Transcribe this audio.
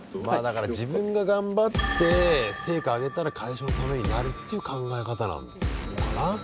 まあだから自分が頑張って成果あげたら会社のためになるっていう考え方なのかな。